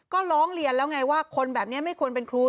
ก็ร้องเรียนแล้วไงว่าคนแบบนี้ไม่ควรเป็นครู